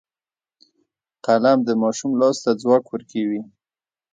قلم د ماشوم لاس ته ځواک ورکوي